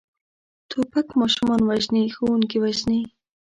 توپک ماشومان وژني، ښوونکي وژني.